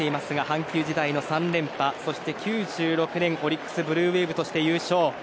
阪急時代の３連覇そして９６年オリックス・ブルーウェーブとして優勝。